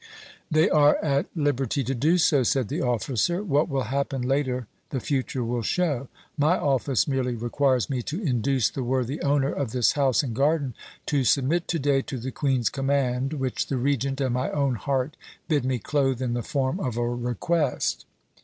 "They are at liberty to do so," said the officer. "What will happen later the future will show. My office merely requires me to induce the worthy owner of this house and garden to submit to day to the Queen's command, which the Regent and my own heart bid me clothe in the form of a request."